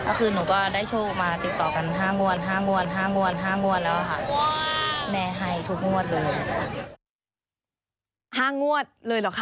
ก็คือหนูก็ได้โชคมาติดต่อกัน๕งวด๕งวดแล้วค่ะ